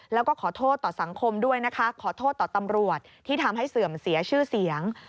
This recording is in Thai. แล้วก็ขอโทษต่อสังคมด้วยนะคะขอโทษต่อตำรวจที่ทำให้เสื่อมเสียชื่อเสียง